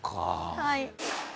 はい。